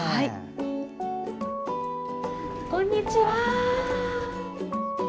こんにちは。